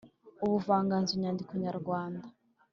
ubuvanganzo nyandiko nyarwanda